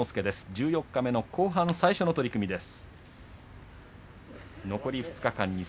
十四日目の後半最初の取組です。